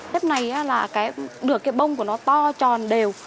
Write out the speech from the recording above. lếp này là nửa cái bông của nó to tròn đều